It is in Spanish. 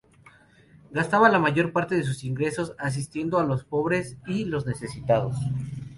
Gastaba la mayor parte de sus ingresos asistiendo a los pobres y los necesitados.